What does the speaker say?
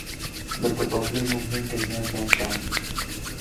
But the popular movement did not back down.